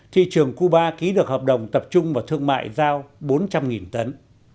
thị trường cuba ký được hợp đồng tập trung vào thương mại giao bốn trăm linh tấn